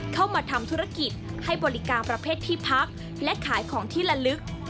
เข้ามาทำธุรกิจให้บริการประเภทที่พักและขายของที่ละลึก